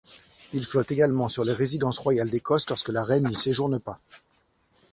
Il flotte également sur les résidences royales d'Écosse lorsque la reine n'y séjourne pas.